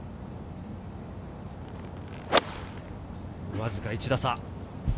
わずか１打差。